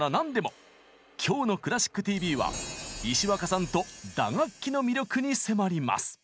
今日の「クラシックＴＶ」は石若さんと打楽器の魅力に迫ります！